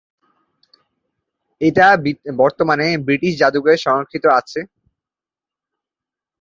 এটা বর্তমানে ব্রিটিশ জাদুঘরে সংরক্ষিত আছে।